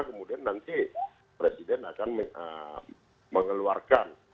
kemudian nanti presiden akan mengeluarkan